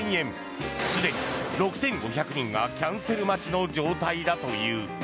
すでに６５００人がキャンセル待ちの状態だという。